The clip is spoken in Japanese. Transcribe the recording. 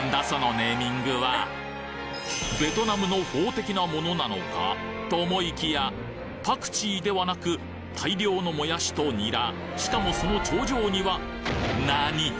そのネーミングはベトナムのフォー的なものなのか？と思いきやパクチーではなく大量のもやしとニラしかもその頂上にはなに？